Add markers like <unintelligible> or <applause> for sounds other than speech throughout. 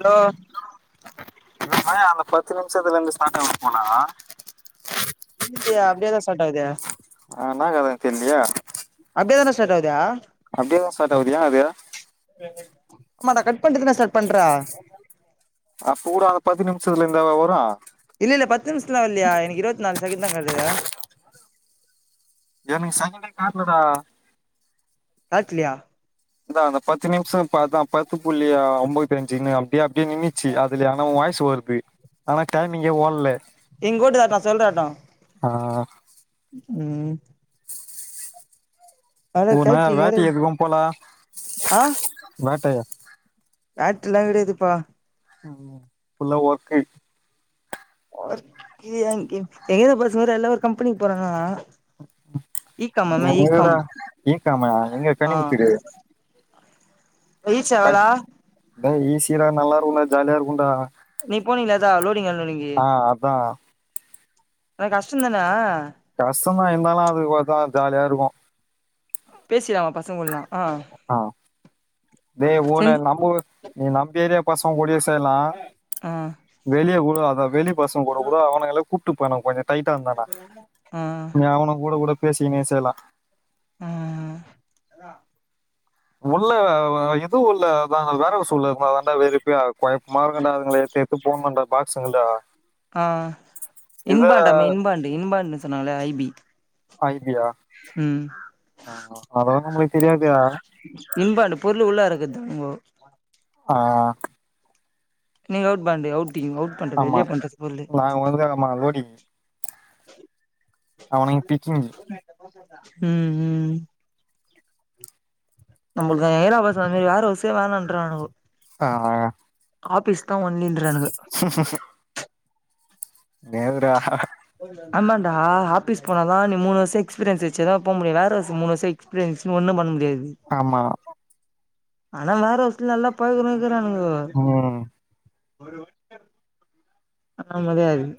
Hello நம அந்த பத்து நிமிஷத்துல இருந்து <unintelligible> போனா இல்ந்தையா அப்படியதாம் ஸ்டார்ட் ஆகுது ஆஹ் நான் கத தெரிலியே அப்டியே தான ஸ்டார்ட் ஆகுது அப்படியதான் ஸ்டார்ட் ஆகுது ஏன் அது ஆமாடா கட் பண்டு தானே ஸ்டார்ட் பண்ற அப்பூட பத்து நிமிஷம் இல்ல இல்ல பத்து நிமிஷல வல்லயா எனக்கு இருவத்த நாலு சகந்ததா காட்டுது என்னுக்கு சங்கல காட்லடா காட்லயா அதான் பத்து நிமிஷம் பான் பத்து புள்ளி ஐ ம்பத்தி அஞ்சுன்னு அப்படியே அப்படியே நின்னுச்சு அதுல ஆனா உன் வாய்ஸு வருது ஆனா டைமிங்கே ஓட் ல எங்க வீட்டு தான் நான் சொல்றேட்ட ஆஹ் உம்ஹ் ஓ நய கேட்ரிங் வேற வேட்டைய எதுக்கும் போல வேட்டையா ஆக்ட்லா கிடையாதுப்பா உம் புல்லா ஒர்கிங் எங்கேதோ பசங்க வேற எல்லா ஒரு கம்பெனிக்கு போறாங்களா இ காம் மாமா இ எங்கடா காம் இக்கமா எங்க ஆ கனிபத்தடு ரீச் ஆவலா இசி சீனா நல்லா இருக்கும்ண்டா ஜாலியா இருக்கும்ண்டா நீ போனீங்களாதா லோடிங்கன்னோனிகி அதான் ஆனா கஷ்டந்தான கஷ்டம்தான் இருந்தாலும் அதுக்கு பாத்தா ஜாலியா இருக்கு பேசிடாமா பசங்கூடலா ஆ ஆஹ் தே ஊன செஞ் நம்ப ஊரு நீ நம் ஏரியா பசங்க கூடிய சுத்தி செய்யலாம் ஆ வெளியே கூட அத வெளி பசங் கூட கூட அவனுங்க கூப்ட்டு போன கொஞ்ச டைட்டா வந்தானா ஆ நீ அவனும் கூட கூட பேசிகினே செய்யலாம் உஹ் ம் உள்ள எதுவும் உள் வேற சூழ் அதண்டறுண்ட போ வெறுப்பே அவ்து குழப்பமா இருக்கு டா அத எடுத்து எடுத்து போடணும் டா சொல்டா ஆ இன்பாண்டாமே இன்பாண்டு இன்பாண்டுன்னு சொன்னாங்களே ஐபி ஐடியா ஆ அதூனு ந சரியாகையா இன்பாண்டு பொருள் உள்னா இருக்குது உங்க ஆஹ் நீங்க அவுட் பாண்டி அவுட் தீங்க அவுட் பண்றது ஆமா வெளியே பண்றது பொருள் நாங்க வந்து ஆமா அவுனுங்க பிச் <unintelligible> ம் ம் நம்புல்து ஏரியா பசங்க மேரி வேர் ஹௌஸ்சே வேனான்றுனாங்க ஆஹ் ஆபீஸ் இத்தா ஒன்னிலின்றானுங்க தேவுடா ஹா ஹா ஆமாண்டா ஆபிஸ் போனதான் நீ மூணு வருஷ எக்ஸ்பீரியன்ஸ் வச்சுதான் போ முடியும் வேர்ஹௌஸ் மூணு வருஷம் எஸ்பீரியன்ஸ் வச்சி ஒன்னும் பண்ண முடியாது ஆமா அதான் வேற்ஹௌஸ்ல நல்லா பழகறோ க்கிறானுங்கோ ம் ஒரு <unintelligible>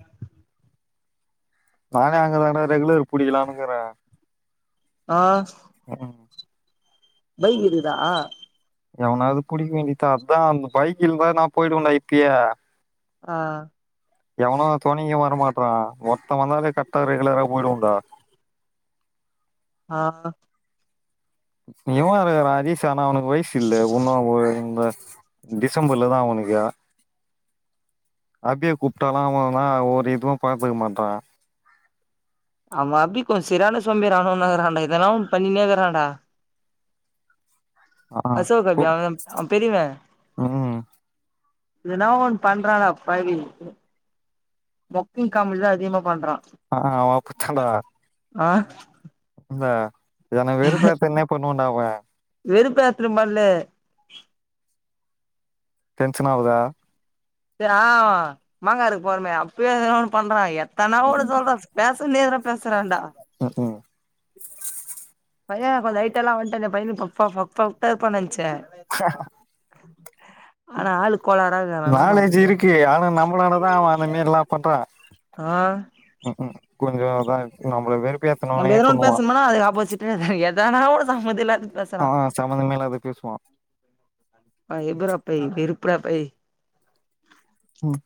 நானே அங்கதாண்டா ரெகுலர் புடிலான்னுக்கிற ஆ ஹஹூம் பைக் இருக்குதா எவனாவது குடிக்க வேண்டியதுதா அதா அந்த பைக் இருந்தா நான போயிடு வேண்டா இப்பியே ஹ எவனோ தொணையோ வரமாட்றான் ஒர்தன் வந்தாலே கர்டா ரெகுலரா போய்டுவோன்டா ஆஹ இவ அருக்குறா அரிஷா ஆனா அவனக்கு வயசு இல்லை ஒன்னும் ஒரு இந்த டிசம்பர்ல தான் அவனுக்கு அபிய கூப்டாலோ அவன் தான் ஒரு இதுவும் பாத்துக்க மாட்றான் அவ அபி கொஞ்ச செரியான சோம்பேறியாணவன இருக்காண்டா எதனா ஒன்னு பன்னிக்குனே இருக்கறாடா ஆ அசோக் அவ கூ- அவன் பெரியவ ம் இதனா ஒண்ணு பண்றான பாவி மொக்க காமடிலா தான் அதிகமா பண்றான் ஆஹா அவ அப்டிதாண்டா ஆ <unintelligible> என்ன வெறுப் பேத்துன்னே பண்ணுவ <inaudible> வெறுப்பேத்தரமல்ல டென்ஷன் ஆவுதா ஆ மாங்கா எடுக்க போறமே அப்பயே எதனா ஒன்னு பண்றா எ தெனவோட சொல்றா பேஸ் <unintelligible> நேர்ல பேசறாண்டா ம் ம் பைய கொஞ்ச ஐட்டலா வந்ட்டா இந்த பையன <unintelligible> ஆனா ஆளு கோளாரா இருக்குறான் என்னா நாலேஜ் பண்றது இருக்கு ஆனா நம்மளால தா அவ அந்த மேரிலா பண்றா ஆ ம் ம் கொஞ்சோ அதா நம்மள வெறுப்பேத்தனுனே பண்ணுவா தெனோ ஒரு சம்மந்தில்லா ஆ சமந்தமே இல்லாதது பேசுவா ஆ எக்குரா பை வெருப்புரா பை ம்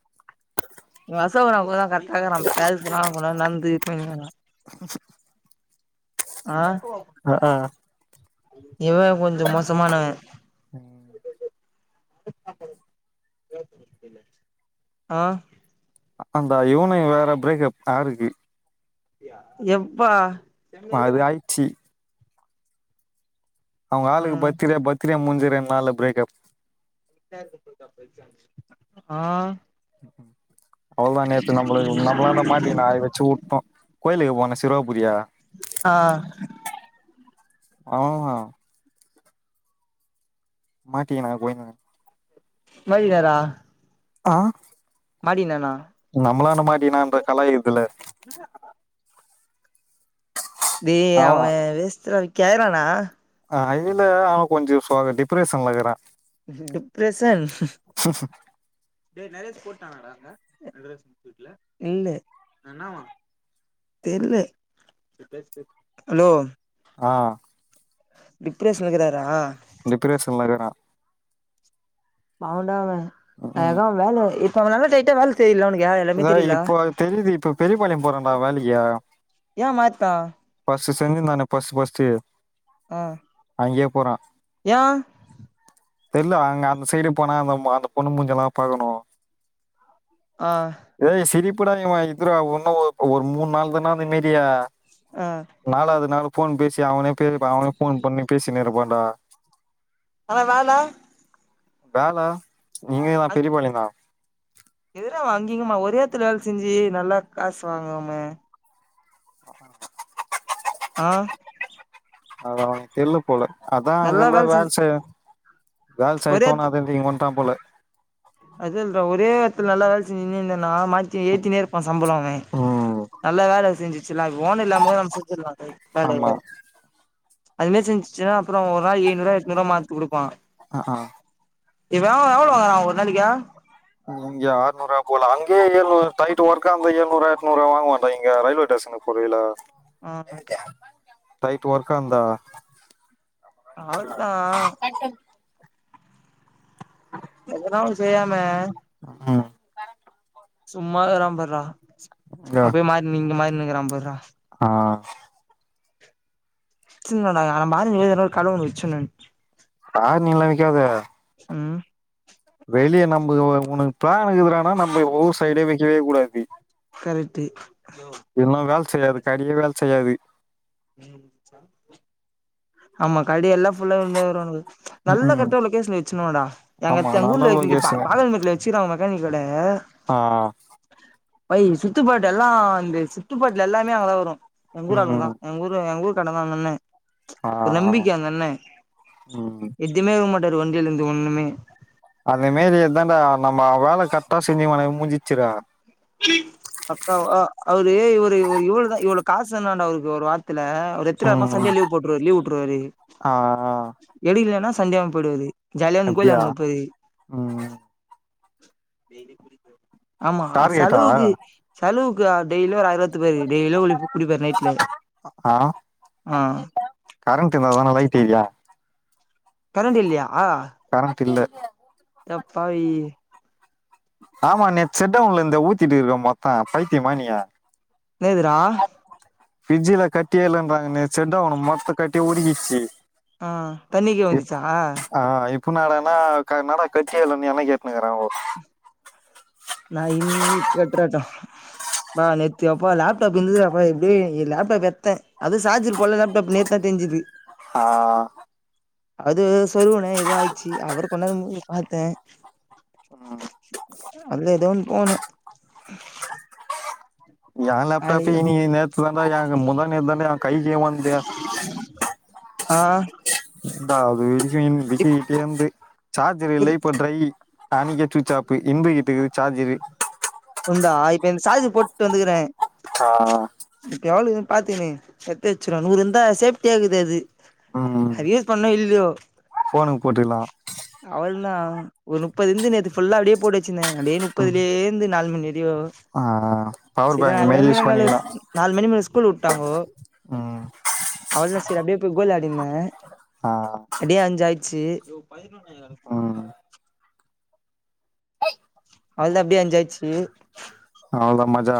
வசவுறா <unintelligible> கேக்கறா பேசறா <unintelligible> நந்து <inaudible> ஆ அஹ் ஆஹ் இவ கொஞ்சோ மோசமானவ ம். அ அந்தா இவனயு வேற பிரேக்கப் ஆருக்கு எப்பா அது ஆயிச்சி அவங்க ஆ ஆளுக்கு பாத்தில்ல பர்த்து டே முடிஞ்சு ரெண் நாள்ல பிரேக்கப் ஆ ம் அவ்ளு நேத்து நம்மளு <unintelligible> நம்மளாண்ட மாட்டிகினா அய் வெச்சு உட்டோ கோய்லுக்கு போன்னே <unintelligible> ஆ <unintelligible> மாட்டிகினா கோயிந்த வய்கரா ஆஹ் மாட்டியினண்ணா நம்மளான்ட மாட்டினான்ட இந்த கலாய்க்ரதுல யே அவ வேஸ்ட்ரா கேக்ரானா அ இதுல அவ கொஞ்சோ சொதப் டிப்ரஷன்லருக்குறா டிப்ரஷன் இல்ல தெர்ல ஹலோ ஆஹ் டிப்ரஷ்லருக்குறாரா டிப்ரஷன்ல இருக்குரா பாவொண்டா அவெ அதா வேல இர் அவளால டைய்ட்டா வேல்ப் இத இப்போ தெரியுது இப்ப பெரியபாளையோ போறோன்டா வேலைக்கி ஏ மாட்னா பஸு செஞ்சிருந்தானே பஸ் பஸ் செய ஆ ஃயா தெர்ல அங்க அந்த சைடு போனா அந்த மா அந்த பொண்ணு மூஞ்சியெல்லா பாக்கணு ஆ ஏய் சிரிப் இப்படா நீ வாங்கித் தருவ ஒன்னு ஒ ஒரு மூணு நாள் தானா நிம்மதியே ஆ நாலாது நாள் போன் பேசி அவனே பே அவனே போன் பண்ணி பேசி நிருப்பான் டா ஆனா வேல வேல நீங்கதா பெரியபாளியங்கா எதுரா வங்கீங்கம்மா ஒரே எடத்துல வேல செஞ்சு நல்லா காசு வாங்காம ஹம் ஆ அத அவங் தெர்ல போல அதா அங்க நல்லா இருந்தா வேல செஞ்சு செ வேல செய்ய தோனாது இங்க வட்டான் போல அதுல ஒரே எடத்துல நல்ல வேலா செஞ்சுங்க நா மாத்தி ஏத்தினே இருப்பே சம்பளவே ம் நல்ல வேல செஞ்சு சல்லாக்க லோன் இல்லாமதா நம்ம செத்துர்லா ஆமா <unintelligible> அதுமே மாறி செஞ்சச்சுா அப்பறோ ஒரு நாள் ஏல்நூறு எட்னூறு மாத்து குடுப்பா ஆ ஆ. இவ எவ்வளோ வாங்குறா ஒருத் மளீக்கா ங்க ஆர்நூறுருவாப் போல அங்கே ஏழுநூ டைட் ஒர்க்ந்த எழுநூறு எட்நூறுபா வாங்ம மாட்டா இங்க ரயில்வே டேஷனுக்கு போறயில ஆஹ் அ னைட் வர்க்கந்தா ஆதா எல்ல செய்யாம ஆஹ் சும்மாகிறான் பாரா அப்பயே மாரினிங் இங்க மாரினுகிற அம்பதுருவா ஆஹ் சின்டா நன மாதறின கழுவுண்ண வச்சு சொன்னன் ஆனி எல்லாம் வக்காத ம் வெளிய நம்புக்கு ஒ ஒனக்கு பிளானு கீதுறானா நம்ப ஊர் சைடே வைக்கவே கூடாது கரட்டு இன்னும் வேல் செய்யாது கடியே வேல் செய்யாது ஆமா கடி எல்லாம் ஃபுல்லா இவனுங்ளே வருவானுங்க ம், நல்லா ம். கரெட்டா லொகேஷன்ல வச்சனுடா தா ஆமா அத்து எங்க நல்ல ஊர்ல வங்க பா லொகேஷன் பாகல்மேட்ல வச்சிகிறாங்க மெக்கானிக் கட ஆ பை சுத்துப்பாட்டு எல்லாம் இந்த சுத்துப்பட்டுல எல்லாமே அங்கதான் வரும் எங்க ஊர் ஆளுங்க ம் தான் எங்க ஊரு எங்க ஊர்கார தான் அந்த அண்ணன் ஆ ஒரு நம்பிக்க அந்த அண்ணன் ம் எதுமேக மாட்ட டது வண்டில இருந்து ஒண்ணுமே அந்தமேரி எதான்டா நம்ம வேல கரெட்டா செஞ்சு ஒனக்கு முஞ்சிச்சுற அக்கா அவ அவரு இவரு இவரு இவருதா இவ்ளோ காசு தருனுமாண்ட அவருக்கு ஒரு வாரத்தல அவரு எத்தின வாரமா ம் சண்டே லீவ் போட்டுருவாரு லீவ் உட்டுருவாரு ஆ எடிகலன்னா சண்டேவும் போயிடுவாரு ஜாலியா அவனுங்க அப்படியா கோயிலானு போயி ம் டெய்லியும் குடிப்பு ஆமா அது டார்கெட்டா லோகு செலவுக்கு ஆஹ் டெய்லியும் ஒரு ஆயிரூபா த்துபாரு டெயிலியும் குளி குடிப்பாரு நைட்ல ஆ ஆஹ் கரண்ட் இருந்தா தான லைட் எரியா கரண்ட் இல்லையா ஆஹ் கரண்ட் இல்ல அடப்பாவி ஆமா நேத் செட்டவுன்ல இருந்து ஊத்திட்டு இருக்கு மொத்தம் பைத்தியமா நீயி லேதுரா ஃபிரிஜில கட்டியே இல்லன்றாங்க நேத்து ஷட்டவுன்னு மொத்த கட்டி உருகிச்சு ஆஹ் தண்ணிக்கு வீந்துச்சா புனடனானடா கட்டிலன்ன என்ன கேட்டுன்னக்கறேன் நான் இன்னி கேட்டுறட்டம் பா நெத்த அப்பா லேப்டாப் இருது அப்பா எப்படிய லேப்டாப் எத்தேன் அது சாஜர் போல லேப்டாப் நேத்தா தெரிஞ்சது ஆ அது சொருவுன எத ஆயச்சு அவர் <unintelligible> பாத்தேன் ஏதோ ஒண் போன <inaudible> ஏன் லாப்டாப் நீ ந எத்து எங்க முத ந எத்த கைக்ககே வந்த ஆ <unintelligible> <unintelligible> சார்ஜர் இல்லை இ போ ட்ரை அணிக்க சூச்சாப்பு இப கிட்டுக்கு சார்ஜரு உந்தா இப்ப இந்த <unintelligible> போட்டுட்டு வந்துக்கறேன் ஆ <unintelligible> பாார்த்தீினு எத்த வச்சுடு நரு இருந்தா சேப்டி ஆகுது அது ம் அதுயூஸ் பண்ண இல் <unintelligible> ஃபோனுக்கு போட்டுக்கலா அவள்தான் ஒரு முப்பது இருந்து நே புல்லா அப்டியே போடு <unintelligible> ம் முப்பதிலே இருந்து <unintelligible> <unintelligible> ஆ பவர் சரி நு பேங்க் மாரி மணி மே யூஸ் பண்ணிக்கலா நாலு மணி மேல ஸ்கூல் விட்டாங்கோ ம் அவ சரி அப்டியே போய் கோல் ஆடிிருந்தன் ஆ அடியா அஞ்ச ஆயச்சு <unintelligible> ஆஹ் அவளதான் அப்படியே அஞ்சுசாயிச்சு அவதா மஜா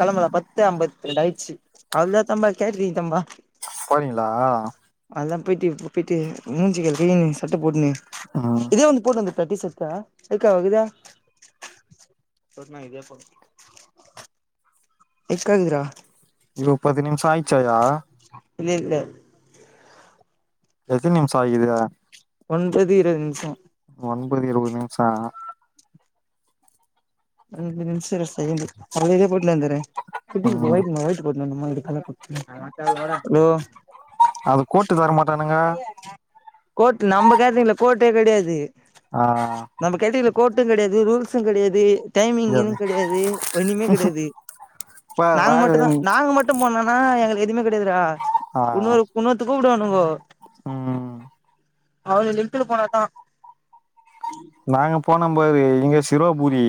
கிளம்பலாம் பத்து ஐம்பத்த ரெண்டு ஆயிடுச்சு அவ்வளா தம்பா கேட்டறீங்க தம்பா பாறீங்களா <unintelligible> ம் இதே வந்து போட வந்து பிரத்திசத்தா எக்காவகுதா ந இது எப்போ எஸ்கந்திரா ச்சயா இல்லஇல்ல எத்தன நிமிசம் ஆயிகிது ஒன்பது இருபது நிமிஷம் புதியதோ‌‌ ஒரு நிமிசா அஞ்சு நிமிஷல்ல செகண்டு அதிகப்பட் ம் <unintelligible> ஹலோ அது கோட்டு தரமாட்டானுங்க கோட் நம்ம கேட்ரீங்ள கோட்டே கிடையாது ஆஹ் கோர்ட்டும் கிடையாது ரூல்ஸும் கிடையாது டைமிங் எது இன்னும் கிடையாது ஒன்னுமே கிடையாது நாங்க மட்டு தான் நாங்க மட்டும் போனோம்னா எங்கல கேக்குதா இன்னோரு இன்னொருத் கூப்படுணுங்கோ ம்ஹ் அவன லிப்ட்டுல போன தான் நாங்க போனம் பாரு இங்க சிவபூரி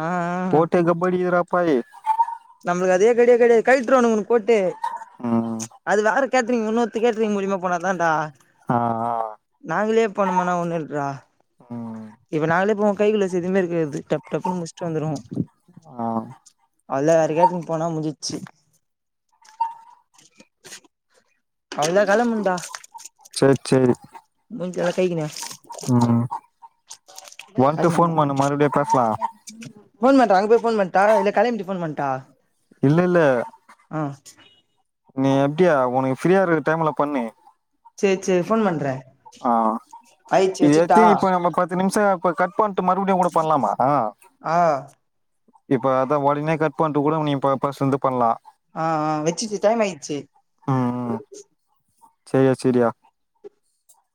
ஆ கோட்டே கப்படிகிதுடா ப்பாயி நம்மளுக்கு அதே கெடயவே கெடையாது கலட்டுருவான்க கோட்டே ம் அது வேரு கேட்ரிங் இன்னொருத்தர் கேட்ரிங் மூலியமா போன தான்டா ஆ ஆ நாங்களே பண்ணமனா ஒண்ணுடுறா ம் இப்ப நாங்களே போ கை கிளவுஸ் எதுவுமே இருக்காது டப் டப்ன்னு முடிச்சுட்டு வந்துரும் ஆஹ் அல்ல வேறக்கேட்ரிங் போனா முடிஞ்டுச்சு அவல காலம் உண்டா செரி செரி முஞ்ச கைக்குனா வன்ட்டு ஃபோன் பண்ணு மறுபடியு பேசலா போன் பண்றன் அங்க போய் போன் பண்ற கலை கைய முடிஞ்சட்டு போன் பண்ணட்டா இல்ல இல்ல நீ எப்டியா ஒனக்கு ஃப்ரீயாருக்க டைம்ல பண்ணு ச்சே செரி ஃபோன் பண்றே ஆ ஆயிடுச்சு இது எது வச்சுட்டா இப்ப நம்ம பத்து நிம்ஷோ இப்ப கட் பன் மறுபடியு கூட பண்லாமா ஆ ஆ இப்ப அத ஒடனே கட் பண்ட்டு கூட நீ இப்ப ஃபஸ்ட்லேந்து பண்லா ஆ ஆ வெச்சிச்சு டைமாயிச்சி ம் ம் செரியா செரியா